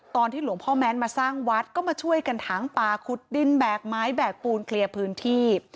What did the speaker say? ตอนที่หลวงพ่อแม้นมาสร้างวัดก็มาช่วยกันถังปลาขุดดินแบกไม้แบกปูนเคลียร์พื้นที่